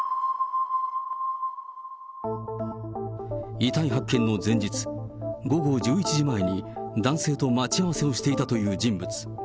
遺体発見の前日、午後１１時前に、男性と待ち合わせをしていたという人物。